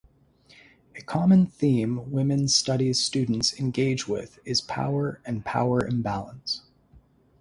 A common theme Women's Studies students engage with is Power and Power Imbalance.